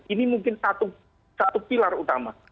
ini mungkin satu pilar utama